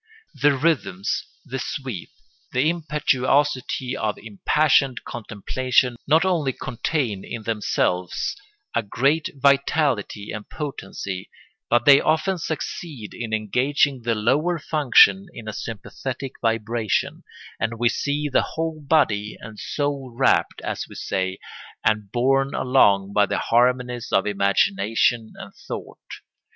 The rhythms, the sweep, the impetuosity of impassioned contemplation not only contain in themselves a great vitality and potency, but they often succeed in engaging the lower functions in a sympathetic vibration, and we see the whole body and soul rapt, as we say, and borne along by the harmonies of imagination and thought.